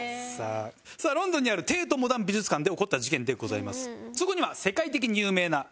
ロンドンにあるテート・モダン美術館で起こった事件でございます。